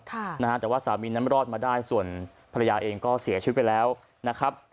แต่ว่าสามีนั้นรอดมาได้ส่วนภรรยาเองก็เสียชีวิตไปแล้วนะครับ